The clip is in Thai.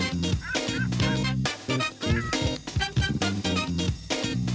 เราบอกเสียงสูงเนี่ย